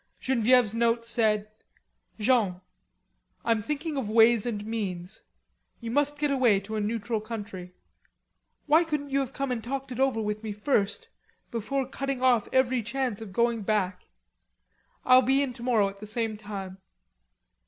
Genevieve's note said: "Jean: I'm thinking of ways and means. You must get away to a neutral country. Why couldn't you have talked it over with me first, before cutting off every chance of going back. I'll be in tomorrow at the same time.